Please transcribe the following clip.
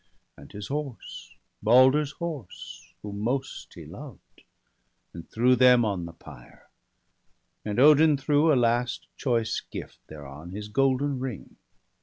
And his horse, Balder's horse, whom most he loved, And threw them on the pyre, and Odin threw A last choice gift thereon, his golden ring.